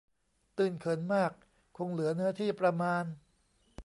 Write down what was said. ตื้นเขินมากคงเหลือเนื้อที่ประมาณ